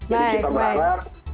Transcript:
jadi kita berharap